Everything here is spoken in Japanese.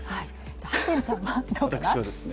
ハセンさんはどうですか？